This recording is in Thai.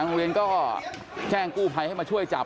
โรงเรียนก็แจ้งกู้ภัยให้มาช่วยจับ